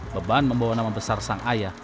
beban membawa nama besar sang ayah